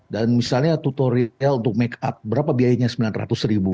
dan misalnya tutorial untuk make up berapa biayanya rp sembilan ratus